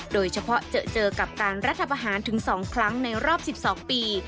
โดยเฉพาะเจอกับการรัฐประหารถึง๒ครั้งในรอบ๑๒ปี